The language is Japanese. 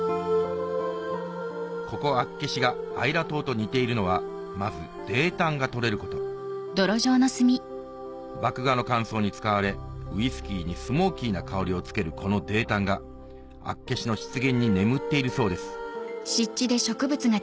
ここ厚岸がアイラ島と似ているのはまず泥炭が取れること麦芽の乾燥に使われウイスキーにスモーキーな香りをつけるこの泥炭が厚岸の湿原に眠っているそうです